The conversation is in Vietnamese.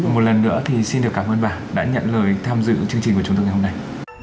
một lần nữa thì xin được cảm ơn bà đã nhận lời tham dự chương trình của chúng tôi ngày hôm nay